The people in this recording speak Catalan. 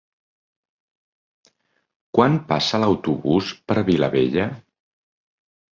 Quan passa l'autobús per Vilabella?